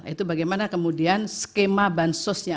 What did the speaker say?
itu bagaimana kemudian skema bansosnya